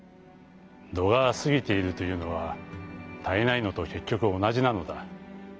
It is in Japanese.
「どが過ぎているというのは足りないのとけっきょく同じなのだ。